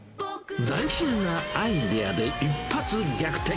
斬新なアイデアで一発逆転。